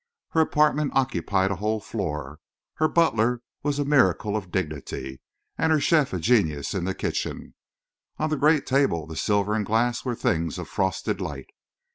Her apartment occupied a whole floor. Her butler was a miracle of dignity and her chef a genius in the kitchen. On the great table the silver and glass were things of frosted light.